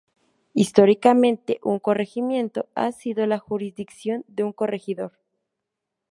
Históricamente, un corregimiento ha sido la jurisdicción de un corregidor.